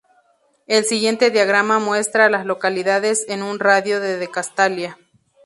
El siguiente diagrama muestra a las localidades en un radio de de Castalia.